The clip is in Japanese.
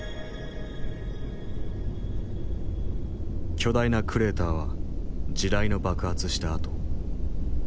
巨大なクレーターは地雷の爆発した跡。